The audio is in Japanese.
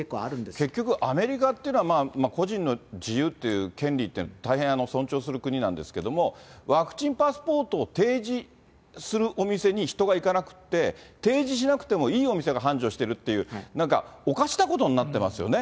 結局、アメリカっていうのは、個人の自由っていう、権利って、大変尊重する国なんですけれども、ワクチンパスポートを提示するお店に人が行かなくて、提示しなくてもいいお店が繁盛してるっていう、なんかおかしなことになってますよね。